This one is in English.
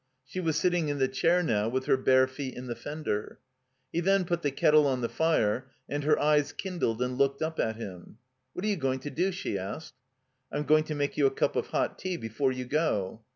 She was sitting in the chair now, with her bare feet in the fender. He then put the kettle on the fire, and her eyes kindled and looked up at him. "What are you going to do?" she asked. "'I'm going to make you a cup of hot tea before you go."